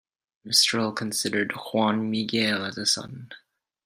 Mistral considered Juan Miguel as a son.